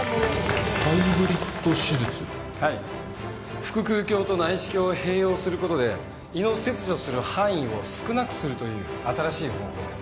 腹腔鏡と内視鏡を併用する事で胃の切除する範囲を少なくするという新しい方法です。